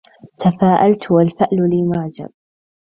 تفاءلت والفأل لي معجب